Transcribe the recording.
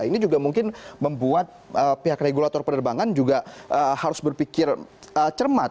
ini juga mungkin membuat pihak regulator penerbangan juga harus berpikir cermat